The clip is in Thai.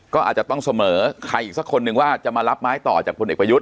ก็อาจจะต้องเสมอใครอีกสักคนนึงว่าจะมารับไม้ต่อจากพลเอกประยุทธ์